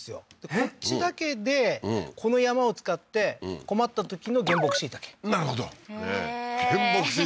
こっちだけでこの山を使って困ったときの原木椎茸なるほどええー